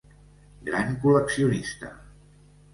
Gran col·leccionista.